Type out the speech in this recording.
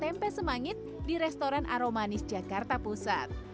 tempe semangit di restoran aromanis jakarta pusat